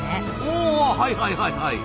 おはいはいはいはい。